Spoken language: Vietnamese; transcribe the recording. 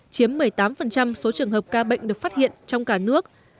chiếm một mươi tám số trường hợp ca bệnh được phát hiện trong cả nước